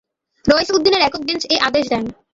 রইস উদ্দিনের একক বেঞ্চ এ আদেশ দেন।